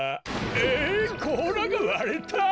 えっこうらがわれた！？